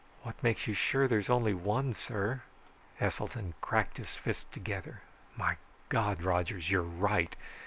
"What makes you sure there is only one, sir?" Heselton cracked his fists together. "My God, Rogers, you're right!